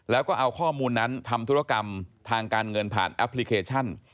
แล้วก็เอาข้อมูลนั้นทำธุรกรรมทางการเงินผ่านแอปพลิเคชัน